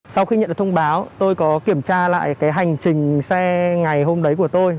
sau khi nhận được thông báo tôi có kiểm tra lại cái hành trình xe ngày hôm đấy của tôi